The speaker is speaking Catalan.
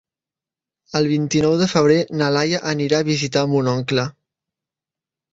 El vint-i-nou de febrer na Laia anirà a visitar mon oncle.